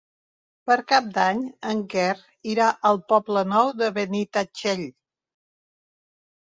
Per Cap d'Any en Quer irà al Poble Nou de Benitatxell.